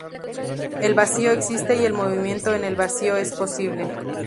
El vacío existe y el movimiento en el vacío es posible.